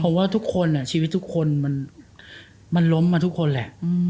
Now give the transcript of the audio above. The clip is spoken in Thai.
เพราะว่าทุกคนชีวิตทุกคนมันล้มมาทุกคนแหละ